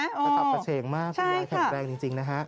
กระตับกระเฉงมากคุณยายแข็งแรงจริงนะฮะ